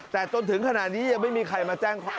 แต่จนถึงขณะนี้ยังไม่มีใครมาแจ้งความ